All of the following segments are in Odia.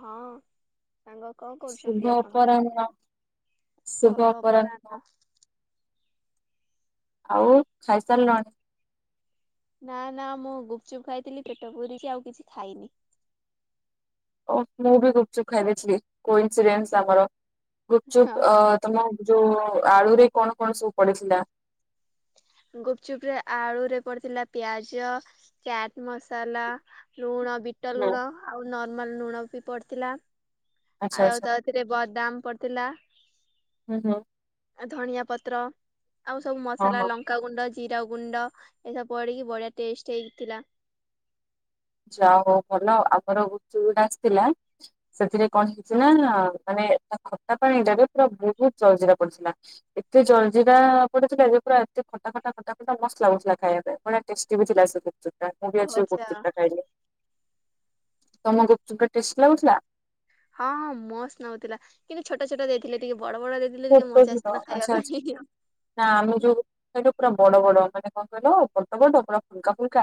ହଁ। ସାଙ୍ଗ କଣ ଶୁଭ କରୁଛନ୍ତି ଆପଣ ଅପରାହ୍ନ ଓ ଅପରାହ୍ନ ଆଉ ଖାଇସାରିଲଣି? ନା ନା ମୁଁ ଗୁପଚୁପ ଖାଇଥିଲି ପେଟ ପୁରିଛି ଆଉ କିଛି ଖାଇନି। ଓ ମୁଁ ବି ଗୁପଚୁପ୍ ଖାଇଦେଇଥିଲି କୋଇନ୍ସରେନ୍ସ ଆମର ଗୁପଚୁପ ହଁ ଅ ତମ ଯୋଉ ଆଳୁରେ କଣ କଣ ସବୁ ପଡିଥିଲା? ଗୁପଚୁପ ରେ ଆଳୁରେ ପଡିଥିଲା ପିଆଜ ଚାଟ୍ ମସଲା ଲୁଣ ବିଟ ହୁଁ। ଲୁଣ ଆଉ ନର୍ମାଲ ଲୁଣ ବି ପଡ଼ିଥିଲା। ଆଚ୍ଛା ଆଚ୍ଛା ଆୟତ ଏଥିରେ ବଦାମ୍ ପଡିଥିଲା। ହୁଁ ହଁ। ଆ ଧନିଆ ପତ୍ର ଆଉ ସବୁ ହଁ ମସଲା ଲ ହଁ ଲଙ୍କାଗୁଣ୍ଡ ଜିରାଗୁଣ୍ଡ ଏସବୁ ପଡ଼ିକି ବଢ଼ିଆ ଟେଷ୍ଟ ହେଇଥିଲା। ଯା ହଉ ଭଲ ଆମର ଗୁପଚୁପ ଟା ଆସିଥିଲା ସେଥିରେ କଣ ହେଇଛି ନା ମାନେ ତା ଖଟା ପାଣି ଟାରେ ପୁରା ବହୁତ ଜଲଜିରା ପଡିଥିଲା। ଏତେ ଜଲଜିରା ପଡିଥିଲା ଯେ ପୁରା ଏତେ ଖଟା ଖଟା ଖଟା ଖଟା ମସ୍ତ୍ ଲାଗୁଥିଲା ଖାଇବା ପାଇଁ। ବଢିଆ ଟେଷ୍ଟୀ ବି ଥିଲା ସେ ଗୁପଚୁପ। ମୁଁ ବି ଓ ଆଜି ଆଚ୍ଛା ଗୁପଚୁପ ଟା ଖାଇଲି ତମ ଗୁପଚୁପ୍ ଟା ଟେଷ୍ଟ ଲାଗୁଥିଲା। ହଁ ହଁ ମୋସ୍ତ୍ ଲାଗୁଥିଲା କିନ୍ତୁ ଛୋଟ ଛୋଟ ଦେଇଥିଲେ ଟିକେ ବଡ ବଡ ଦେ ଥିଲେ ଟିକେ ଛୋଟ ମଜା ଛୋଟ ଆସିଥାନ୍ତା ଖାଇବା ଆଚ୍ଛା ପାଇଁ ଆଚ୍ଛା ହିଁ ହିଁ। ନା ଆମେ ଯୋଉ ସେଇଠୁ ପୁରା ବଡ ବଡ ମାନେ କଣ କହିଲ ବଡ ବଡ ପୁରା ଫୁଲକା ଫୁଲକା।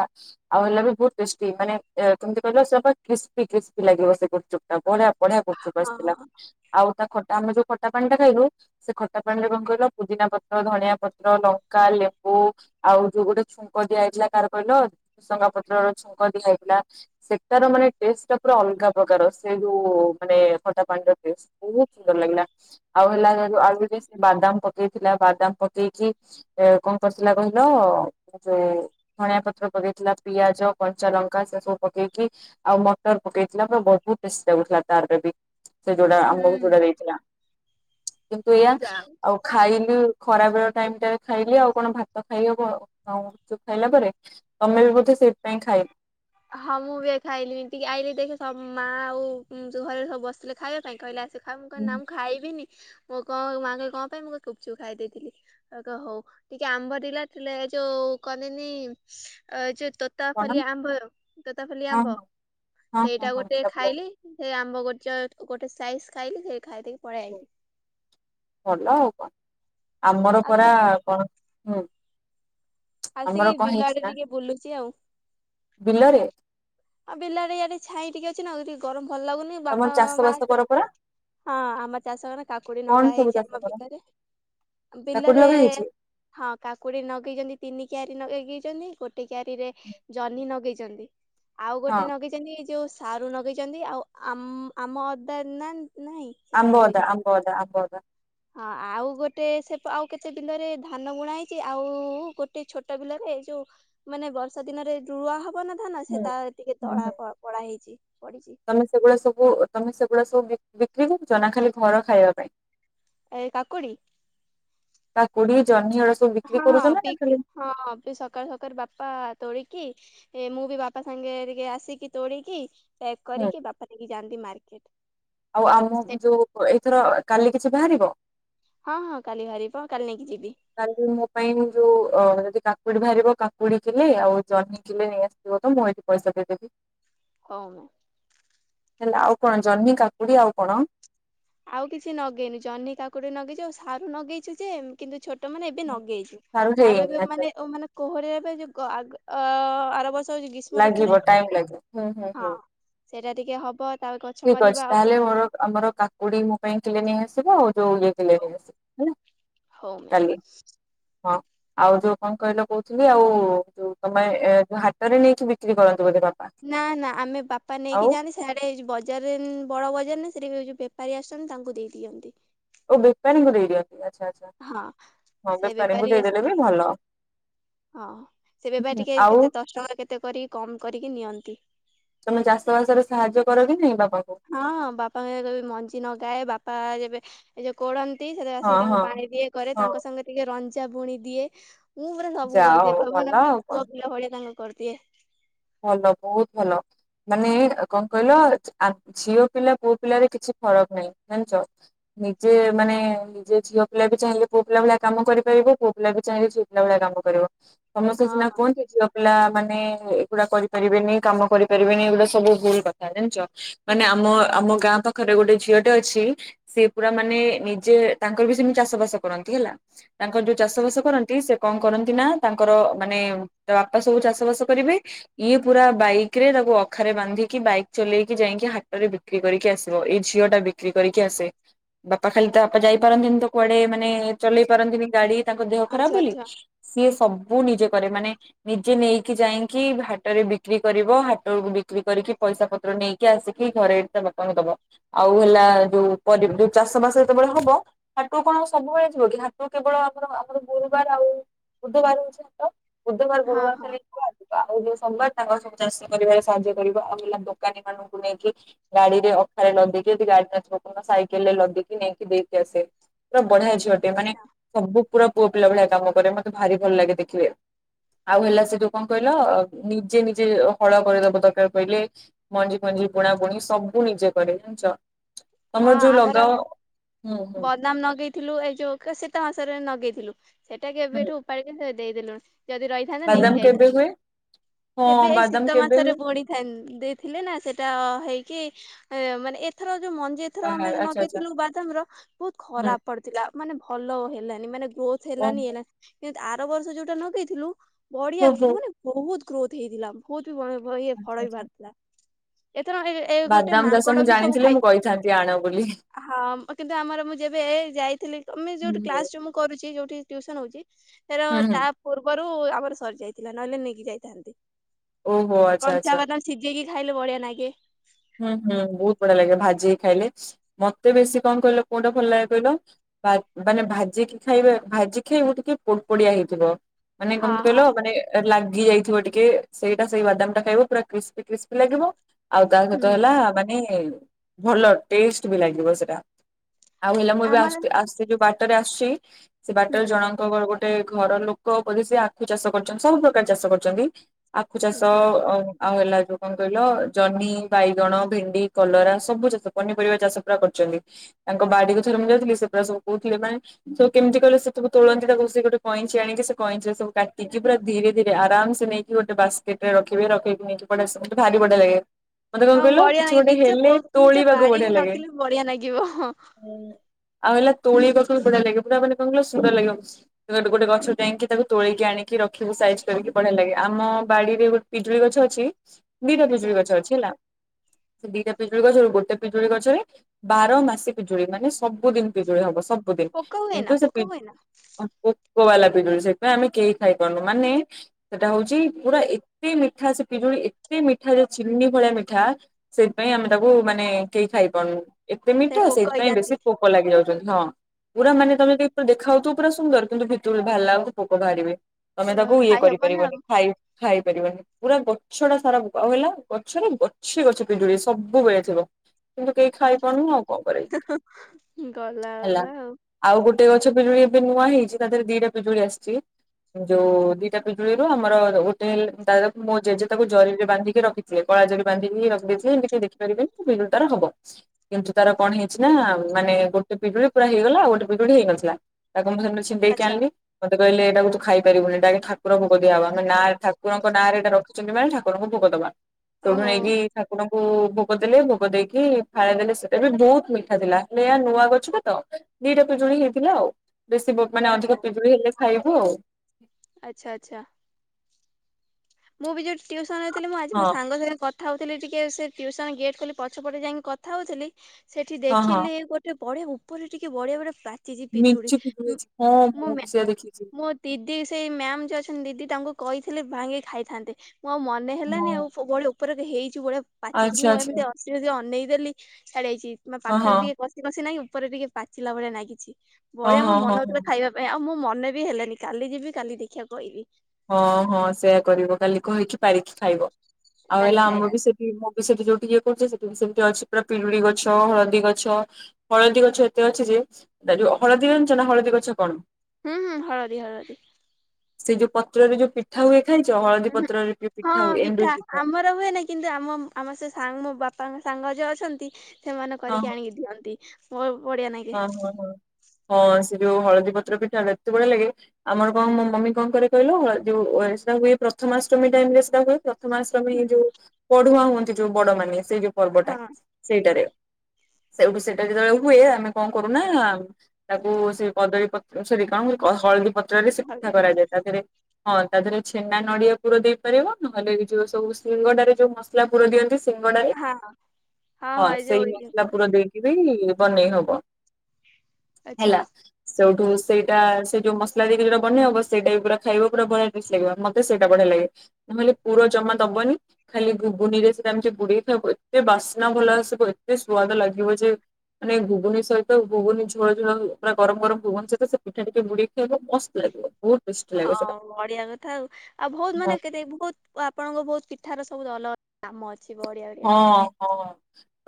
ଆଉ ହେଲା ବି ବହୁତ ଟେଷ୍ଟି ମାନେଏ କେମିତି କହିଲ କ୍ରିସ୍ପି କ୍ରିସ୍ପି ଲାଗିବ ବ ସେ ଗୁପଚୁପ୍। ତା ବଢିଆ ବଢିଆ ଗୁପଚୁପ୍ ଆସିଥିଲା ହଁ। ଆଉ ତା ଖଟା ଆମେ ଯୋଉ ଖଟା ପାଣି ଟା ଖାଇଲୁ ସେ ଖଟା ପାଣି ରେ କଣ କହିଲ ପୁଦିନା ପତ୍ର, ଧଣିଆ ପତ୍ର, ଲଙ୍କା, ଲେମ୍ବୁ ଆଉ ଯୋଉ ଗୋଟେ ଛୁଙ୍କ ଦିଆଯାଇଥିଲା କାହାର କହିଲ ଭୁସଙ୍ଗା ପତ୍ର ଛୁଙ୍କ ଦିଆ ହେଇଥିଲା। ସେଟାର ମାନେ ଟେଷ୍ଟ ଟା ପୁରା ଅଲଗା ପ୍ରକାର ସେ ଯୋଉ ମାନେ ଖଟା ପାଣିର ଟେଷ୍ଟ। ବହୁତ ସୁନ୍ଦର ଲାଗିଲା ଆଉ ହେଲା ଆଉ ଯେ ବାଦାମ ପକେଇଥିଲା ବାଦାମ ପକେଇକି। ଏ କଣ କରିଥିଲେ କହିଲ। ସେ ଧଣିଆ ପତ୍ର ପକେଇଥିଲା ପିଆଜ, କଞ୍ଚା ଲଙ୍କା ସେ ସବୁ ପକେଇକି ଆଉ ମଟର ପକେଇଥିଲା ତ ବହୁତ ଟେଷ୍ଟି ଲାଗୁଥିଲା ତାରରେ ବି ସେ ଯୋଉଟା ଆମବକୁ ଯୋଉଟା ହୁଁ ଦେଇଥିଲା। କିନ୍ତୁ ଏୟା ଯାଉ। ଆଉ ଖାଇଲି ଖରା ବେଳ ଟାଇମ ଟାରେ ଖାଇଲି ଆଉ କଣ ଭାତ ଖାଇ ହବ ଗୁପଚୁପ ଖାଇଲା ପରେ। ତମେ ବି ବଧେ ସେଇଥିପାଇଁ ଖାଇ ହଁ ମୁଁ ବିଏ ଖାଇଲିି ଟିକେ ଆଇଲି ଦେଖେ ସ ମାଆ ଆଉ ଯୋଉ ଘରେ ସବୁ ବସିଥିଲେ ଖାଇବା ପାଇଁ କହିଲେ ଆସ ଖାଇ ମୁଁ କ ନା ମୁଁ ଖାଇବିନି ମୋ କ ମା କହିଲେ କଣ ପାଇଁ ମୁଁ ଚୁପଚୁପ୍ ଖାଇ ଦେଇଥିଲି। ଆ ହଉ ଟିକେ ଆମ୍ବ ଦିଲା ଥିଲା ଯୋଉ କହିଲେନି ଆ ଯୋଉ ତେ କଣ ତୋତାଫାଲି ଆମ୍ବ ତୋତାଫାଲି ହଁ ଆମ୍ବ ହଁ ହଁ ସେଇଟା ହଁ ଗୋଟେ ହଁ ଖାଇଲି। ସେଇ ଆମ୍ବ ଗୋଟ ଗୋଟେ ସାଇଜ ଖାଇକି ସେ ଖାଇ ଦେଇକି ପଳେଇ ଆଇଲି। ଭଲ ଆଉ କଣ ଆମର ପରା ଆସିକି କଣ ହୁଁ। ଆସିକି ଆମର କଣ ହେଇଛି ନା ବିଲଆଡେ ଟିକେ ବୁଲୁଛି ଆଉ। ବିଲରେ? ଆଉ ବିଲରେ ୟାଡେ ଛାଇ ଟିକେ ଅଛି ନା ଆଉ ଟିକେ ଗରମ ଭଲ ଲାଗୁନି। ତମର ବାପା ଚାଷ ମା ବାସ ସେ କର ପରା ହଁ ଆମ ଚାଷ ଘର କାକୁଡି କଣ ନଗା ସବୁ ହେଇଛି ଚାଷ ଆମ କର ଭିତରେ। ଆଉ କାକୁଡି ବିଲରେ ଲଗା ହେଇଛି? ହଁ କାକୁଡି ନଗେଇଛନ୍ତି ତିନି କ୍ୟାରି ନଗେଇଛନ୍ତି ଗୋଟେ କ୍ୟାରି ରେ ଜହ୍ନି ନଗେଇଛନ୍ତି। ଆଉ ହଁ ଗୋଟେ ନଗେଇଛନ୍ତି ଯୋଉ ସାରୁ ନଗେଇଛନ୍ତି ଆଉ ଆ ଆମ୍ ଅଦା ନା ନାହିଁ। ସେଟା ଆମ୍ବ ଅଦା ଲଗେଇଛନ୍ତି। ଆମ୍ବ ଅଦା ଆମ୍ବ ଅଦା। ହଁ ଆଉ ଗୋଟେ ସେ ଆଉ କିଛି ବିଲରେ ଧାନ ବୁଣା ହେଇଛି ଆଉ ଗୋ ଗେ ଛୋଟ ବିଲାରେ ଯୋଉ ମାନେ ବର୍ଷା ଦିନରେ ରୁଆ ହବ ନା ଧାନ। ସେ ତା ହୁଁ। କତିକ୍ ଟିକେ ଦଳା ପ ପଡା ହେଇଛି ପଡିିଛି। ତମେ ସେଗୁଡା ସବୁ ତମେ ସେଗୁଡ଼ା ସବୁ ବିକ୍ରି ଦଉଛ ନା ଖାଲି ଘର ଖାଇବା ପାଇଁ? ଏ କାକୁଡି। କାକୁଡି, ଜହ୍ନିଆଡା ସବୁ ବିକ୍ରି ହଁ କରୁଛନ୍ତି ବି ନା ଖାଲି ହଁ ବି ସକାଳୁ ସକାଳୁ ବାପା ତୋଳିକି ଏ ମୁଁ ବି ବାପା ସାଙ୍ଗେ ଟିକେ ଆସିକି ତୋଡିକି ପ୍ୟାକ୍ ହୁଁ କରିକି ବାପା ନେଇକି ଯାଆନ୍ତି ମାର୍କେଟ ଆଉ ଆମ ସେ ଯୋଉ ଏଇଥର କାଲି କିଛି ବାହାରିବ? ହଁ ହଁ କାଲି ହରିବ କାଲି ନେଇକି ଯିବି। କାଲି ମୋ ପାଇଁ ଯୋଉ ଯଦି କାକୁଡି ବାହାରିବ କାକୁଡି କିଲେ ଆଉ ଜହ୍ନି କିଲେ ନେଇଆସିଥିବ ତ ମୁଁ ଏଠି ପଇସା ଦେଇଦେବି। ହଉ ମ। ହେଲା ଆଉ କଣ ଜହ୍ନି, କାକୁଡି ଆଉ କଣ? ଆଉ କିଛି ନଗେଇନି ଜହ୍ନିକାକୁଡି ନଗେଇଛୁ ଆଉ ସାରୁ ନଗେଇଛୁ ଯେ କିନ୍ତୁ ଛୋଟ ମାନେ ଏବେ ନଗେଇଛି ସାରୁ ହେଇନି ଏବେ ଆଚ୍ଛା ମାନେ ମାନେ କୋହଳିବା ପାଇ ଯୋଉ ଅଗ ଅ ଆର ବର୍ଷ ଗ୍ରୀଷ୍ମ ଋତୁରେ ଲାଗିବ ଟାଇମ ଲାଗିବ ହୁଁ ହୁଁ ହୁଁ। ହଁ ସେଇଟା ଟିକେ ହବ। ତାପରେ ଗଛ ଠିକ ମରିବ ଅଛି ଆଉ ତାହେଲେ ମୋର ଆମର କା ଉଡି ମୋ ପାଇଁ କିଲେ ନେଇ ଆସିବ ଆଉ ଯୋଉ ଇଏ କିଲେ ହଉ ନେଇ ଆସିବ ହେଲା। ହଉ ମ୍ୟାମ୍। କାଲି ହଁ। ଆଉ ଯୋଉ କଣ କହିଲ କହୁଥିଲି ଆଉ ଯୋଉ ତମେ ଯୋଉ ହାଟରେ ନେଇକି ବିକ୍ରି କରନ୍ତି ବୋଧେ ବା ନା ନା ଆମେ ବାପା ନେଇକି ଯାଆନ୍ତି ସେଆଡ଼େ ବଜାରରେ ବଡ଼ ବଜାର ନା ସେଇଠି ଏ ଯଉ ବେପାରୀ ଆସଛନ୍ତି ତାଙ୍କୁ ଦେଇ ଦିଅନ୍ତି। ଓ ବେପାରୀଙ୍କୁ ଦେଇଦିଅନ୍ତି? ଆଛା ଆଛା। ହଁ ସେ ବେପାରୀ ଆସିକି ନେଇଯାଆନ୍ତି। ଭଲ। ହଁ ସେ ବେପାରି ହୁଁ ଟିକେ ଆଉ କେତେ ଦଶ ଟଙ୍କା କେତେ କରିକି କମ କରିକି ନିଅନ୍ତି। ତମେ ଚାଷ ବାସରେ ସାହାଯ୍ୟ କର କି ନାଇଁ ବାପାଙ୍କୁ? ହଁ ବାପାଙ୍କେ କହିବେ ମଞ୍ଜି ନଗାଏ ବାପା ଯେବେ ଏ ଯୋଉ କୋଳନ୍ତି ସେଥିରେ ହଁ ଆସିକି ତାଙ୍କୁ ହଁ ପାଣି ଦିଏ କରେ ହଁ ତାଙ୍କ ସଙ୍ଗରେ ଟିକେ ରଞ୍ଜା ବୁଣି ଦିଏ। ମୁଁ ପୁରା ସବୁ ଯାହା କରିଦିଏ ହଉ ଭଲ [unintelligible] ଆଉ କଣ। ପୁଅ ପିଲା ଭଳିଆ ତାଙ୍କୁ କରିଦିଏ। ଭଲ ବହୁତ ଭଲ। ମାନେ କଣ କହିଲ ଆ ଝିଅ ପିଲା ପୁଅ ପିଲାରେ କିଛି ଫରକ ନାହିଁ ଜାଣିଛ? ନିଜେ ମାନେ ନିଯେ ଝିଅ ପିଲା ବି ଚାହିଁଲେ ପୁଅ ପିଲା ଭଳିଆ କାମ କରିପାରିବ ପୁଅ ପିଲା ବି ଚାହିଁଲେ ଝିଅ ପିଲା ଭଳିଆ କାମ କରିବ। ସମସ୍ତେ ସିନା ହଁ କୁହନ୍ତି ଝିଅ ପିଲା ମାନେ ଏ ଗୁଡା କରିପାରିବେନି କାମ କରିପାରିବେନି ଏଗୁଡା ସବୁ ଭୁଲ କଥା ଜାଣିିଛ? ମାନେ ଆମ ଆମ ଗାଁ ପାଖରେ ଗୋଟେ ଝିଅଟେ ଅଛି। ସିଏ ପୁରା ମାନେ ନିଜେ ତାଙ୍କର ବି ସେମିତି ଚାଷ ବାସ କରନ୍ତି ହେଲା। ତାଙ୍କର ଯୋଉ ଚାଷ ବାସ ଆଚ୍ଛା। କରନ୍ତି ସେ କଣ କରନ୍ତି ନା ତାଙ୍କର ମାନେ ତା ବାପା ସବୁ ଚାଷ ବାସ କରିବେ ଇଏ ପୁରା ବାଇକ ରେ ତାକୁ ଅଖାରେ ବାନ୍ଧିକି ବାଇକ ଚଲେଇକି ଯାଇକି ହାଟ ରେ ବିକ୍ରି କରିକି ଆସିବ ଏଇ ଝିଅ ଟା ବି ବିକ୍ରି କରିକି ଆସେ ବାପା ଖାଲି ତା ବାପା ଯାଇପାରନ୍ତିନି ତ କୁଆଡେ ମାନେ ଚଲେଇ ପାରନ୍ତିନି ଗାଡି। ତାଙ୍କ ଦେହ ଖରାପ ଆଚ୍ଛା ବୋଲି ଆଚ୍ଛା ସିଏ ସବୁ ନିଜେ କରେ ମାନେ ନିଜେ ନେଇକି ଯାଇଁକି ଭା ଟରେ ବିକ୍ରି କରିବ ହାଟରୁ ବିକ୍ରି କରିକି ପଇସା ପତ୍ର ନେଇକି ଆସିକି ଘରେ ଏଇଠି ତା ବାପାଙ୍କୁ ଦବ। ଆଉ ହେଲା ଯୋଉ ପ ଯୋଉ ଚାଷ ବାସ ଯେତେବେଳେ ହବ ହାଟକୁ କଣ ଆଉ ସବୁବେଳେ ଯିବ କି ହାଟକୁ କେବଳ ଆମର ଆମର ଗୁରୁବାର ଆଉ ବୁଧବାର ହଉଛି ହାଟ। ବୁଧବାର ହଁ ଗୁରୁବାର ହଁ ଖାଲି ବିକିବ ଆସିବ ଆଉ ସୋମବାର ତାଙ୍କର ସବୁ ଚାଷ କରିବାରେ ସାହାଯ୍ୟ କରିବ ଆଉ ହେଲା ଦୋକାନୀ ମାନଙ୍କୁ ନେଇକି ଗାଡିରେ ଅଖାରେ ଲଦିକି ଯଦି ଗାଡି ନଥିବ ସାଇକେଲ ରେ ଲଦିକି ନେଇକି ଦେଇକି ଆସେ। ପୁରା ବଢିଆ ଝିଅ ଟେ ଆଚ୍ଛା ମାନେ ଆଚ୍ଛା ସବୁ ପୁରା ପୁଅ ପିଲା ଭଳିଆ କାମ କରେ ମତେ ଭାରି ଭଲ ଲାଗେ ଦେଖିବେ। ଆଉ ହେଲା ସେଠୁ କଣ କହିଲ ନିଜେ ନିଜେ ହଳ କରିଦବ ଦରକାର ପଇଲେ। ମଞ୍ଜି ଫଞ୍ଜି ବୁଣା ବୁଣି ସବୁ ନିଜେ କରେ ଜାଣିିଛ ହଁ ତମର ଯୋଉ ଆମର ଲଗାଅ ହୁଁ ହୁଁ। ବଦାମ ନଗେଇଥିଲୁ ଏଇ ଯୋଉ ଶୀତ ମାସରେ ନଗେଇଥିଲୁ ସେଟା ହୁଁ। କେବେଠୁ ପାଳିକି ସେରା ଦେଇଦେଲୁଣି ଯଦି ରହି ଥାନ୍ତା ନେଇକି ବାଦାମ କେବେ ଯାଇଥାନ୍ତି ହୁଏ ହଁ କେବେ ଏ ବାଦାମ ଶୀତ କେବେ ମାସରେ ହୁଏ ପୁଣି ଥାନ୍ ଦେଇଥିଲେ ନା ସେଟା ହେଇକି ମାନେ ଏଥର ଯୋଉ ମଞ୍ଜି ଏଥର ଆମେ ବାହାରେ ଜ ଆଚ୍ଛା ଆଚ୍ଛା ନଗେଇଥିଲୁ ବାଦାମ ର ବହୁତ ହୁଁ ଖରାପ ପଡିଥିଲା ମାନେ ଭଲ ହେଲାନି ମାନେ ଗ୍ରୋଥ ହେଲାନି ଓହୋ। ହେଲା କିନ୍ତୁ ଆର ବର୍ଷ ଯୋଉଟା ନଗେଇଥିଲୁ ବଢିଆ ହୁଁ ହୁଁ ମାନେ ବହୁତ ଗ୍ରୋଥ ହେଇଥିଲା ବହୁତ ବି ବଳେ ବଳେ ଇଏ ଫଳ ଆଚ୍ଛା ବି ଆଚ୍ଛା। ବାହାରିଥିଲା ଏଥର ଏ ଏ ଗୋଟେ ବାଦାମ ଚାଷ ମାଙ୍କଡ ମୁଁ ବି ସବୁ ଜାଣିଥିଲି ମୁଁ ଖାଇଦେଲେଣି କହିଥାନ୍ତି ଆଣ ବୋଲି। ଆହା ମ କିନ୍ତୁ ଆମର ମୁଁ ଯେବେ ଯାଇଥିଲି ତମେ ହୁଁ ଯୋଉଟି ହୁଁ। କ୍ଲାସ ମୁଁ କରୁଛି ଯୋଉଠି ଟସନ ହଉଛି ର ହୁଁ ହୁଁ ତା ପୂର୍ବରୁ ଆମର ସରି ଯାଇଥିଲା ନହେଲେ ନେଇକି ଯାଇଥାନ୍ତି। ଓହୋ ଆଚ୍ଛା ଆଚ୍ଛା। କଞ୍ଚା ବଦାମ ସିଝେଇକି ଖାଇଲେ ବଢିଆ ଲାଗେ। ହୁଁ ହୁଁ ବହୁତ ବଢିଆ ଲାଗେ ଭାଜି କି ଖାଇଲେ ମତେ ବେଶୀ କଣ କହିଲ କୋଉଟା ଭଲ ଲାଗେ କହିଲ। ବା ମାନେ ଭାଜିିକି ଖାଇବେ ଭାଜିକି ଟିକେ ପୋଡ୍ ପଡିଆ ହେଇଥିବ। ମାନେ ହଁ କମିତି କହିଲ ହଁ ମାନେ ଲାଗି ଯାଇଥିବ ଟିକେ ସେଇଟା ସେଇ ବାଦାମ ଟା ଖାଇବ ପୁରା କ୍ରିସ୍ପି କ୍ରିସ୍ପି ଲାଗିବ ଆଉ ଗା କଣ ହୁଁ ହେଲା ମାନେ ଭଲ ଟେଷ୍ଟ ବି ଲାଗିବ ସେଟା। ଆଉ ହେଲା ମୁଁ ଏବେ ଆସ୍ ଆମର ଆସ ଯୋଉ ବାଟରେ ଆସିୁଛି ସେ ବାଟରେ ହୁଁ ଜଣ ଗୋଟେ ଘର ଲୋକ ବଧ ସେ ଆଖୁ ଚାଷ କରୁଛନ୍ତି ସବୁ ପ୍ରକାର ଚାଷ କରୁଛନ୍ତି। ଆଖୁ ଚାଷ ଆଚ୍ଛା ଆଉ ହେଲା ଯୋଉ କଣ କହିଲ ଜହ୍ନି ବାଇଗଣ ଭେଣ୍ଡି କଲରା ସବୁ ଚାଷ ପନିପରିବା ଚାଷ ପୁରା କରୁଛନ୍ତି। ତାଙ୍କ ବାଡିକୁ ଛର ମୁଁ ଯାଉଥିଲି ସେପଟା ସବୁ କହୁଥିଲେ ସ କେମିତି କହିଲ ସେ ସବୁ ତୋଳନ୍ତି ତାକୁ ସେ ଗୋଟେ କଇଁଚି ଆଣିକି ସେ କଇଁିରେବୁ କାଟିକି ପୁରା ଧୀରେ ଧୀରେ ଆରାମ ସେ ନେଇକି କି ଗୋଟେ ବାସ୍କେଟରେ ରଖିବେ ରଖିକି ନେଇକି ଭାରି ବଢିଆ ଲାଗେ। ମତେ କଣ ହଁ କହିଲ ବଢିଆ କିଛି ଲାଗେ ଗୋଟେ ନିଜ ହେଲେ ପ- ନିଜ ତୋଳିବାକୁ ବୋଟେ ବାଡିରେ ଲାଗେ ନକିଲେ ବଢିଆ ଲାଗିବ ଆଉ ହେଲା ତୋଳି କ ବଢିଆ ଲାଗିବ ପୁରା ମାନ କିଲ ସୁୁରା ଲାଗିବ। ଗେ ଗୋଟେ ଗଛ ଟାେଇକି ତାକୁ ତୋଳକି ଆଣିକି ରଖିବୁ ସାଇଜ କରିକି ବଢିଆ ଲାଗେ ଆମ ବାଡିରେ ଗଟେ ପିଜୁଳି ଗଛ ଅଛି ଦିଟା ଆଚ୍ଛା। ପିଜୁଳି ଗଛ ଅଛି ହେଲା। ସେ ଦିଟା ପିଜୁଳି ଗଛରୁ ଗୋଟେ ପିଜୁଳି ଗଛରେ ବାର ମାସ ପିଜୁଳି ମାନେ ସବୁଦିନ ପିଜୁଳି ହବ ସବୁଦିନ ପୋକ ହୁଏ ନା କିନ୍ତୁ ସେ ପୋକ ହୁଏ ନା ପୋକ ବାଲା ପିଣ୍ଡୁ ସେଥିାଇଁ ଆମେ କେହି ଖାଇପାରୁନୁ ମାନେ ସେଟା ହଉଛି ପୁରା ଏତେ ମିଠା ସେ ପିଜୁଳି ଏତେ ମିଠା ସେ ଚିନି ଭଳିଆ ମିଠା ସେଇଥିପାଇଁ ଆମେ ତାକୁ ମାନେ କେହି ଖାଇ ପାରୁନି ଏତେ ସେ ମିଠା ପୋକ ସେଇଥିପାଇଁ ହେଇଯାନ୍ତି ବେଶୀ ପୋକ ଲାଗି ଯାଉଛନ୍ତି ହଁ ପୁରା ହଁ ମାନେ ତମେ ଯଦି ଦେଖାଉ ତୁ ପୁରା ସୁନ୍ଦର କିନ୍ତୁ ଭିତରୁ ବାହାରିଲା ପୋକ ବାହାରିବେ ତମେ ତାକୁ ଇଏ ଖାଇ ହବନି କରିପାରିବନି ଆଉ। ଖାଇ ଖାଇ ପାରିବନି ପୁରା ଗଛ ଟା ସାରା ଆଉ ହେଲା ଗଛରେ ଗଛେ ଗଛ ପିଜୁଳି ସବୁ ବଳେ ଥିବ କିନ୍ତୁ କେହି ଖାଇ କଣୁ ଆଉ କଣ କର ଗଲା ହେଲା। ଗଲା ଆଉ ଗୋଟେ ଗଛ ପିଜୁଳି ଏବେ ନୂଆ ହେଇଛି ତାହରେ ଦିଟା ପିଜୁଳି ଆସିଛି ଯୋଉ ଦିଟା ପିଜୁଳିରୁ ଆମର ଗୋଟେ ମୋ ଜେଜେ ତାକୁ ଜରିରେ ବାନ୍ଧିକି ରଖି ଥିଲେ କଳାଜୋରି ବାନ୍ଧିକି ରଖିଦେଇଥିଲେ ଏମିତିଖିପାରିବେ ବିିଲ ତାର ହବ। କିନ୍ତୁ ତାର କଣ ହେଇଛି ନା ମାନେ ଗୋଟେ ପିଜୁଳି ପୁରା ହେଇଗଲା ଆ ଗୋଟେ ପିଜୁଳି ହେଇନଥିଲା ତାକୁ [unintelligible] ଆଚ୍ଛା ଆଣିଲି ମତେହିଲେ ଏଟାକୁୁ ଖାଇପାରିବୁନି ଏଇଟା ଠାକୁରଙ୍କୁ ଦିଆହବ ଆମ ନା ଠାକୁଙ୍କ ନାଁରେ ଏଇଟା ମାନେ ଠାକୁରଙ୍କୁ ଭୋଗ ଦବା ତଠୁ ଓହୋ ନେଇକି ଠାକୁରଙ୍କୁ ଭୋଗ ଦେଲେ ଭୋଗ ଦେଇକି ଫାଳ ଦେଲେ ସେଇଟା ବି ବହୁତ ମିଠା ଥିଲା ହେଲେ ଏୟା ନୂଆ ଗଛ ତ ଦିଟା ପିଜୁଳି ହେଇଥିଲା ଆଉ ବେଶୀ ମାନେ ଅଧିକ ଓହୋ ପିଜୁଳି ହେଲେ ଖାଇବୁ ଆଉ। ଆଚ୍ଛା ଆଚ୍ଛା। ମୁଁ ବି ଯୋଉଟି ଟିଉସନ ହେଇଥିଲି ମୁଁ ଆଜି ମୋ ହଁ। ସାଙ୍ଗ ସାଙ୍ଗେ କଥା ହଉଥିଲି ଟିକେ ସେ ଟ୍ୟୁସନ ଗେଟ୍ ଖଲି ପଛ ପଟେ ଯାଇକି କଥା ହଉଥିଲି ସେଠି ହଁ, ହଁ ଦେଖିଲି ଟେ ବଢିଆ ଉପରେ ଟିକେ ବଢିଆ ବଢଆ ପାଚିଛି ପିିଜୁଳି ମେଞ୍ଚେ ପିଜୁଳି ଅଛି ହଁ ମୁଁ ବି ସେଇଆ ଦେଖିଛି। ମୋ ଦିଦି ସେଇ ମ୍ୟାମ ଯୋଉ ଅଛନ୍ତି ଦିଦି ତାଙ୍କୁ କହିଥିଲେ ଭାଙ୍ଗି ଖାଇଥାନ୍ତେ ମୁଁ ଆଉ ମ ମନେ ହେଲାନି ହଁ। ଆଉ ଉପର ହେଇଛି ବଢ଼ିଆ ପାଚିଛି ଆଚ୍ଛା, ମୁଁ ଆଚ୍ଛା ଏମିତି ଯି ଅନେଇଦେଲି ଛାଡି ଯାଇଛି ମ ହଁ, ପାଖରେ ଟିକେ ହଁ, ପସି ନହିଁ ଉପରେ ଟିକେ ପାଚିଲା ଭଳିଆ ଲାଗିଛି ହଁ, ଭଳିଆ ଆମ ହଁ, ହଁ, ହଁ। ମନଉଥିଲା ଖାଇବା ଭ ଆଉ ମୁଁ ମନେ ବି ହେଲେନି କାଲି ଯିବି କାଲି ଦେଖିବାକୁ କହିବି। ହଁ ହଁ ସେଇୟା କରିବ କାଲି କହିକି ପାରିକି ଖାଇବ ଆଉ କାଲି ହେଲା ଆମ୍ବ ଖାଇବା ବି ସେଠି ମୁଁ ବି ସେଠି ଯୋଉଠି ଇଏ କରୁଛି ସେଠି ସେମ ଅଛି ପୁରା ପିିଜୁଳି ଗଛ ହଳଦୀ ଗଛ ହଳଦୀ ଗଛ ଏତେ ଅଛି ଯେ ଯୋଉ ହଳଦୀ ଜଣି ନା ହଳଦୀ ଗଛ କଣ ହୁଁ ହୁଁ ହଳଦୀ ହଳଦୀ ସେ ଯୋଉ ପତ୍ରରେ ଯୋଉ ପିଠା ହୁଏ ଖାଇଛ ହଳଦୀ ପତ୍ରରେ ଯ ହଁ ପିଠା ହୁଏ ଏଣ୍ଡୁ ପିଠା ଆମର ହୁଏ ନାହିଁ କିନ୍ତୁ ଆମ ଆମ ସେ ସାଙ୍ଗ ମୋ ବାପାଙ୍କ ସାଙ୍ଗ ଯୋଉ ଅଛନ୍ତି ସେମାନେ ହଁ, କରିକି ଆଣିକି ଦିଅନ୍ତି ମୋ ବଢିଆ ନାଇଁ। ହଁ ହଁ ହଁ ହଁ ସେ ଯୋଉ ହଳଦୀ ପତ୍ର ପିଠା ଏତେ ଭଳିିଆ ଲାଗେ ଆମର କଣ ମମି କଣ କରେ କହିଲ ଯୋଉ ସେଟା ହୁଏ ପ୍ରଥମାଷ୍ଟମୀ ଟାଇମ ରେ ସେଟା ହୁଏ ତଶ୍ରମୀ ହୁଁ ଯୋଉ ପଢୁଆ ହୁଅନ୍ତି ଯୋଉ ବଡ ମାନେ ସେଇ ଯୋଉ ପର୍ବଟା ହଁ ସେଇଟାରେ ସେଇଠୁ ସେଇଟା ଯେତେବେଳେ ହୁଏ ଆମେ କଣ କରୁନା ତାକୁ ସେ କଦଳୀ ପତ୍ର ସେଠି କଣ ହଳଦୀ ପତ୍ର ରେ ହଁ ଶିକ୍ଷା କରାଯାଏ ତାପରେ ହଁ ତା ଦେହରେ ଛେନା ନଡିଆ ପୁର ଦେଇପାରିବ ନହେଲେ ଏ ଯୋଉ ସବୁ ସିଙ୍ଗଟାରେ ଯୋଉ ମସଲା ପୁର ଦିଅନ୍ତି ସିଙ୍ଗଡାରେ ହଁ ହଁ ଏ ସେଇ ଯୋଉ ମସଲା ପୁରା ଦେଇକି ବି ବନେଇ ହବ। ଆଚ୍ଛା ହେଲା। ସେଇଠୁ ସେଇଟା ସେ ଯୋଉ ମସଲା ଦେଇକି ଯଉଟା ବନେଇ ହବ ସେଇଟା ବି ପୁରା ଖାଇବା ପୁରା ବଢିଆ ଟେଷ୍ଟ ଲାଗିବ ମତେ ସେଇଟା ବଢିଆ ଲାଗେ। ନହେଲେ ପୁର ଜମା ଦବନି ଖାଲି ଗୁଗୁନିରେ ସେଟା ଏମିତି ବୁଡେଇକି ଖାଇବ ଏତେ ବାସ୍ନା ଭଲ ଆସିବ ଏତେ ସୁ୍ୱାଦ ଲାଗିବ ଯେ ମାନେ ଗୁଗୁନି ସହି ଗୁଗୁନୀ ଝୋଳ ଝୋଳ ପୁରା ଗରମ ଗରମ ଗୁଗୁନୀ ସହିତ ସେ ପିଠା ଟିକେ ବୁଡେଇ ଖାଇବ ମସ୍ତ ଲାଗିବ ବହୁତ ଟେଷ୍ଟି ହଁ ଲାଗେ ସେଟା। ବଢିଆ କଥା ଆଉ ଆଉ ବହୁତ ହଁ ମାନେ କେତେ ମୁଁ କହୁଥିଲି ଓ ଆପଣଙ୍କ ବହୁତ ପିଠାର ସବୁ ଦଲ ଦଲ କାମ ଅଛି। ଅଛି ବଢିଆ। ହଁ ହଁ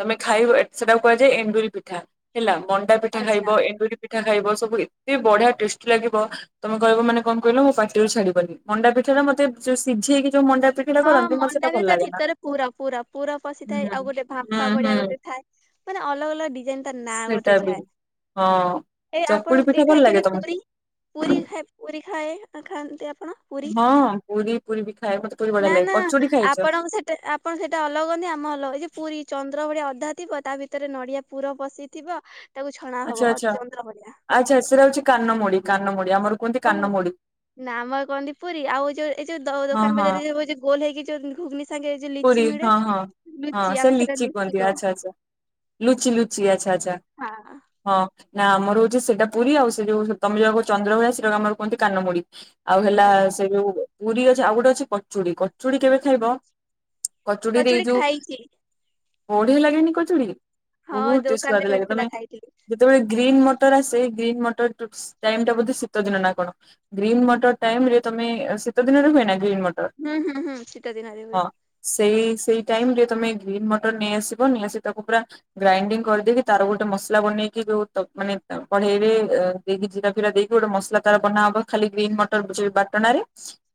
ତମେ ଖାଇବ ସେଟା କୁହାଯାଏ ଏଣ୍ଡୁରି ପିଠା ହେଲା ମ ମଣ୍ଡା ପିଠା ଆଚ୍ଛା ଖାଇବ ଏଣ୍ଡୁରି ପିଠା ଖାଇବ ସବୁ ଏତେ ବଢିଆ ଟେଷ୍ଟି ଲାଗିବ ତମେ କହିବ ମାନେ କଣ କହିଲ ମୋ ପାଟିରୁ ଛାଡିବନି ମଣ୍ଡା ପିଠା ମତେ ଯୋଉ ସିଝେଇକି ଯୋଉ ମଣ୍ଡା ପିଠା ଟା ହଁ କରନ୍ତି ମତେ ମଣ୍ଡା ସେଟା ବି ଭଲ ତା ଲାଗେ ନା। ଭିତରେ ପୁର ପୁର ପୁର ପଶିଥାଏ ହୁଁ। ଆଉ ଗୋଟେ ହୁଁ ଭାମ୍ପା ହୁଁ ଭଳିଆ ଗୋଟେ ଥାଏ ମାନେ ଅଲଗା ଅଲଗା ଡିଜାଇନ ତା ନା ସେଟା ଗୋଟେ ବି ଥାଏ ହଁ। ଏଇ ଚକୁଳି ଆପଣ ପିଠା ଏଇ ଭଲ ଲାଗେ ଖାଇଛନ୍ତି ପୁରୀ ତମକୁ? ପୁରୀ ଖାଇ ପୁରୀ ଖାଏ ଖାଆନ୍ତି ଆପଣ? ପୁରୀ ହଁ ପୁରୀ ପୁରୀ ବି ଖାଏ ମତେ ପୁରୀ ବଢିଆ ନା ଲାଗେ ନା କଚୁଡି ଖାଇଛ? ଆପଣ ଆଉ ସେଟା ଆପ ଆପଣ ସେଇଟା ଅଲଗାନି ଆମ ଅଲଗାଇ ପୁରୀ ଚନ୍ଦ୍ର ଭଳିଆ ଅଧା ଥିବ ତା ଭିତରେ ନଡିଆ ପୁର ପଶିଥିବ ତାକୁ ଛଣା ଆଚ୍ଛା ହବ ଅ ଆଚ୍ଛା ଚନ୍ଦ୍ର ଭଳିିଆ। ଆଚ୍ଛା ସେଟା ହଉଛି କାନମୋଡ଼ି କାନମୁଡି ଆମର କୁହନ୍ତି ଓହୋ କାନମୋଡ଼ି। ନା ଆମର କୁହନ୍ତି ପୁରୀ ଆଉ ଯୋଉ ଏଇ ଯଉ ହଁ ଦୋକାନ ହଁ ବଜାରରେ ଯଉଉ ଗୋଲ ହେଇକ ଯୋଉ ଘୁଘୁନି ସାଙ୍ଗରେ ଯୋଉ ପୁରୀ ଲିଚି ମିଳେ ହଁ ହଁ ହଁ ଲୁଚି ସେ ଆମେ ସେଟା ଲିଚି ଲୁଚି କୁହନ୍ତିି କହୁ ଆଚ୍ଛା ଆଚ୍ଛା ଲୁଚି ଲୁଚି ଆଚ୍ଛା ଆଚ୍ଛା। ହଁ ହଁ ନା ଆମର ହଉଛି ସେଇଟା ପୁରୀ ଆଉ ସେ ଯୋଉ ତମେ ଯୋଉ ଚନ୍ଦ୍ର ଭଳିଆ ସେଟା ଆମର କୁହନ୍ତି କାନମୁଡି। ଆଉ ହେଲା ଆଚ୍ଛା ସେ ଯୋଉ ପୁରୀ ଅଛି ଆଉ ଗୋଟେ ଅଛି କଚୁଡି କଚୁଡି କେବେ ଖାଇବ କଚୁଡିରେ ଏଇ କଚୁଡି ଯୋଉ ଖାଇଛି ବଢ଼ିଆ ଲାଗେନି କଚୁଡି? ହଁ ବହୁତ ଟି ଦୋକାନରେ ସ୍ୱାଦ ଲାଗ ମିଳିଥିଲା ତମେ ଖାଇଥିଲି ଯେତେବେଳେ ଗ୍ରୀନ୍ ମଟର ଆସେ ଗ୍ରୀନ୍ ମଟରାଇ ଟା ବୋଧେ ଶୀତ ଦିନ ନା କଣ? ଗ୍ରୀନ୍ ମଟର ଟାଇମ ରେ ତମେ ଶୀତ ଦିନରେ ହୁଏନା ଗ୍ରୀନ୍ ମଟର? ହୁଁ ହୁଁ ହୁଁ ଶୀତ ଦିନରେ ହଁ ହୁଏ। ସେଇ ସେଇ ଟାଇମ ରେ ତମେ ଗ୍ରୀନ୍ ମଟର ନେଇଆସିବ ନେଇଆସି ତାକୁ ପୁରା ଗ୍ରାଇଣ୍ଡିଙ୍ଗ କରିଦେଇକି ତାର ଗୋଟେ ମସଲା ବନେଇକି ଯୋଉ ମାନେ କଡେଇରେ ଦେଇକି ଜିରା ଫିରା ଦେଇକି ଗୋଟେ ମସଲା ତାର ବନାହବ ଖାଲି ଗ୍ରୀନ୍ ମଟର ଯ ବାଟଣ ରେ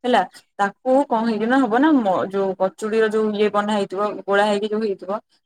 ହେଲା। ତାକୁ କଣ ହେଇକିନା ହବ ନା ଯୋଉ ପଚୁଡିର ଯୋଉ ଇଏ ବନା ହେଇଥିବ ଗୋଳା ହେଇକି ଯୋଉ ହେଇଥିବ